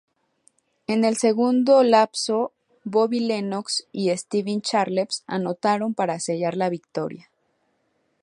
En el segundo lapso, Bobby Lenox y Stevie Chalmers anotaron para sellar la victoria.